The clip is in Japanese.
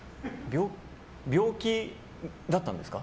病気だったんですか？